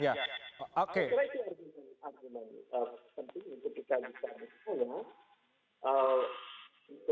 saya ingin mengajukan argumen penting untuk kita diperhatikan